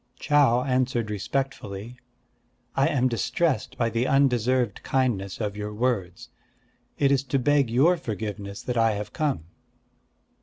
Chau answered respectfully: "I am distressed by the undeserved kindness of your words. It is to beg your forgiveness that I have come."